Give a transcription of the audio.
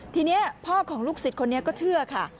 ทีนี้พ่อของลูกศิษย์คนนี้ก็เชื่อค่ะ